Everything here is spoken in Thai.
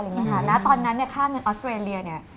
แล้วตอนนั้นค่าเงินออสเตรเลีย